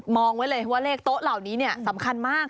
องไว้เลยว่าเลขโต๊ะเหล่านี้สำคัญมาก